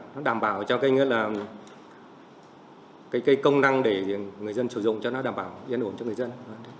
nó đảm bảo cho cái công năng để người dân sử dụng cho nó đảm bảo yên ổn cho người dân